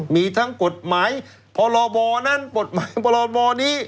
มีทั้งกฎหมายพรบนั้นกฎหมายพรบนี้